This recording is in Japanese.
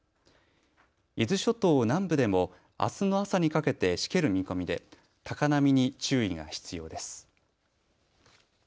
伊豆諸島南部でもあすの朝にかけてしける見込みで高波に注意が必要です。